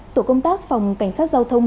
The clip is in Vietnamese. tổ công tác phòng cảnh sát giao thông